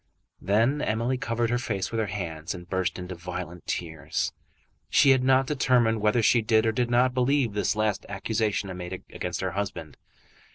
Then Emily covered her face with her hands and burst into violent tears. She had not determined whether she did or did not believe this last accusation made against her husband.